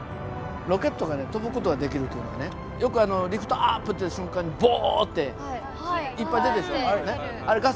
ロケットが飛ぶ事ができるというのはねよく「リフトアップ」って言う瞬間にボッていっぱい出るでしょ。